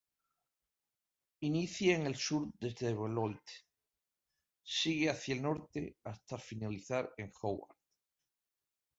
Inicia en el sur desde Beloit, sigue hacia el norte hasta finalizar en Howard.